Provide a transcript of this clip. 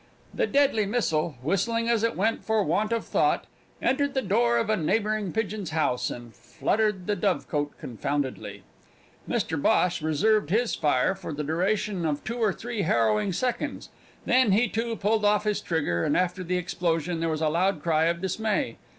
The deadly missile, whistling as it went for want of thought, entered the door of a neighbouring pigeon's house and fluttered the dovecot confoundedly. Mr Bhosh reserved his fire for the duration of two or three harrowing seconds. Then he, too, pulled off his trigger, and after the explosion there was a loud cry of dismay.